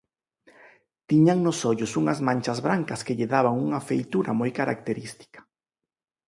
Tiñan nos ollos unhas manchas brancas que lle daban unha feitura moi característica.